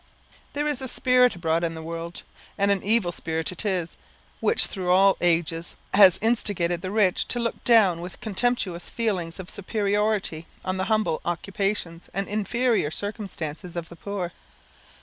There is a spirit abroad in the world and an evil spirit it is which through all ages has instigated the rich to look down with contemptuous feelings of superiority on the humble occupations and inferior circumstances of the poor.